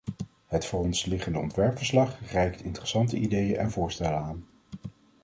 Het voor ons liggende ontwerpverslag reikt interessante ideeën en voorstellen aan.